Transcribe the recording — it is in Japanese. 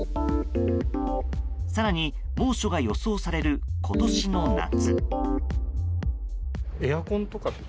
更に猛暑が予想される今年の夏。